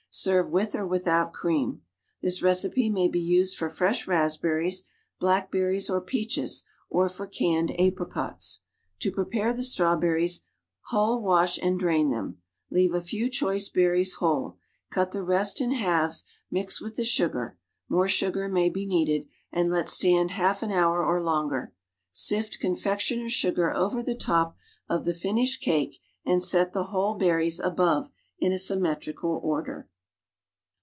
Serve with or without cream. This recipe may be used for fresh raspberries, blackberries or peaches or tor canned apricots. To prepare the strawberries, hull wash and drain them. Leave a few choice berries whole, cut the rest in halves, mix with the sugar (more sugar may be needed), and let stand halt an hour or longer. Sift confectioner's sugar over the top of the finished cake and set the whole berries above in a svmmclrical order.